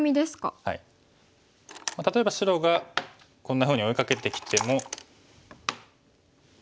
例えば白がこんなふうに追いかけてきても。